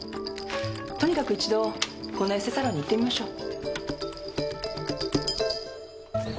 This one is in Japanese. とにかく一度このエステサロンに行ってみましょう。